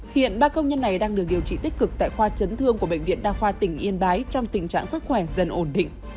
hiện ba công nhân này đang được điều trị tích cực tại khoa chấn thương của bệnh viện đa khoa tỉnh yên bái trong tình trạng sức khỏe dần ổn định